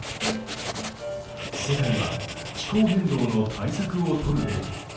世界は気候変動の対策をとるべき。